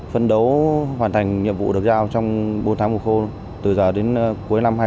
phân đấu hoàn thành nhiệm vụ được giao trong bốn tháng mùa khô từ giờ đến cuối năm hai nghìn hai mươi